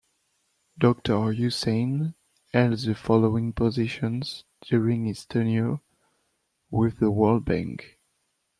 Doctor Husain held the following positions during his tenure with the World Bank.